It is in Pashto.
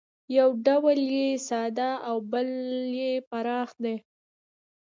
یو ډول یې ساده او بل یې پراخ دی